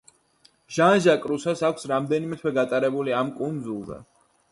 ჟან-ჟაკ რუსოს აქვს რამდენიმე თვე გატარებული ამ კუნძულზე.